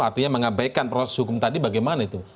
artinya mengabaikan proses hukum tadi bagaimana itu